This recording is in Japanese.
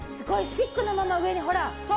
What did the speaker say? スティックのまま上にほら。